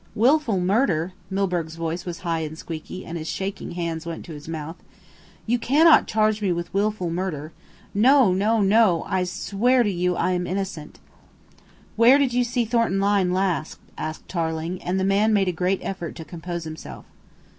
"Wilful murder!" Milburgh's voice was high and squeaky and his shaking hands went to his mouth. "You cannot charge me with wilful murder. No, no, no! I swear to you I am innocent!" "Where did you see Thornton Lyne last?" asked Tarling, and the man made a great effort to compose himself.